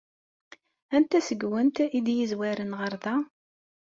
Anta seg-went ay d-yezwaren ɣer da?